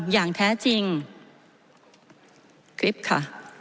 อย่างแท้จริงคลิปค่ะ